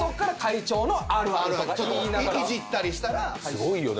すごいよね。